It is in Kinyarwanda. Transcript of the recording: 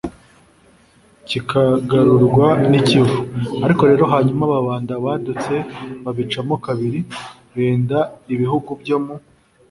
bikagarurwa n’ikivu. ariko rero hanyuma ababanda badutse babicamo kabiri ; benda ibihugu byo mu